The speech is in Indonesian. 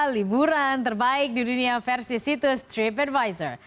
liburan terbaik di dunia versi situs tripadvisor